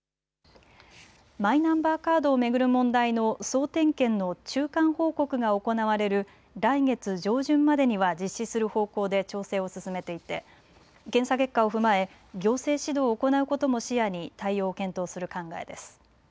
マイナンバーカードを巡る問題の総点検の中間報告が行われる来月上旬までには実施する方向で調整を進めていて検査結果を踏まえ行政指導を行うことも視野に対応を検討する考えです。